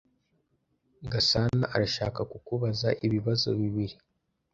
Gasanaarashaka kukubaza ibibazo bibiri.